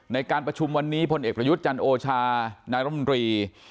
ในการประชุมวันนี้พลเอกประยุทธ์จันโอชานายรมรี